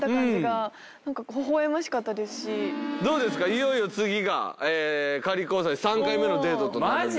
いよいよ次が仮交際３回目のデートとなるんですけど。